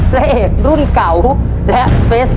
พระเอกรุ่นเก่าและเฟซบุ๊